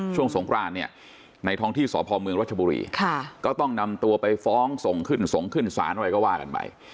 ช่วงสงครานเนี่ยในท้องที่สพเมืองรัชบุรีก็ต้องนำตัวไปฟ้องส่งขึ้นสงขึ้นศาลอะไรก็ว่ากันไป